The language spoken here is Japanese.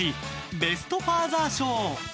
ベスト・ファーザー賞。